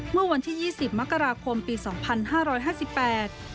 เมื่อวันที่ยี่สิบมกราคมปีสองพันห้าร้อยห้าสิบแปด